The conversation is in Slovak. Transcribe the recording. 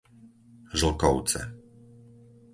Žlkovce